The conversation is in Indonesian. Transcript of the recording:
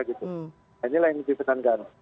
dan inilah yang diperkankan